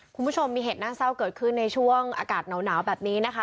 คุณผู้ชมมีเหตุน่าเศร้าเกิดขึ้นในช่วงอากาศหนาวแบบนี้นะคะ